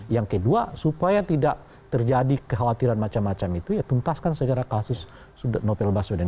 yang kedua supaya tidak terjadi kekhawatiran macam macam itu ya tuntaskan saja kasus novel baswedan